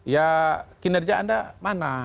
ya kinerja anda mana